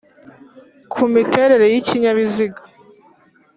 kumiterere y’ikinyabiziga